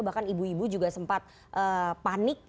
bahkan ibu ibu juga sempat panik